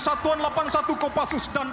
satuan delapan puluh satu kopassus dan